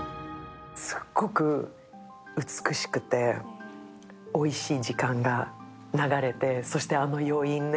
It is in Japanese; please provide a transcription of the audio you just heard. すごく美しくて、おいしい時間が流れて、そしてあの余韻ね。